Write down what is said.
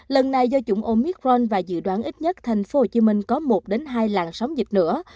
lần này do chủng omicron và dự đoán ít nhất tp hcm có một hai làn sóng dịch nữa